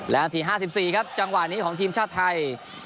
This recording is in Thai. และนาที๕๔ครับจังหวะนี้ของทีมชาติไทย